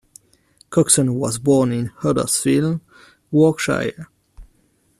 Coxon was born in Huddersfield, Yorkshire.